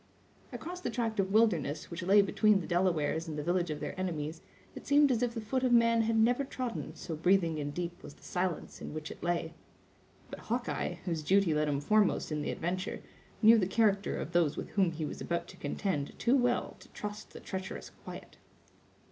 Across the tract of wilderness which lay between the Delawares and the village of their enemies, it seemed as if the foot of man had never trodden, so breathing and deep was the silence in which it lay. But Hawkeye, whose duty led him foremost in the adventure, knew the character of those with whom he was about to contend too well to trust the treacherous quiet.